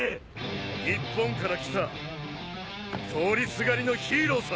日本から来た通りすがりのヒーローさ。